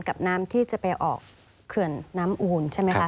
กับน้ำวุ่น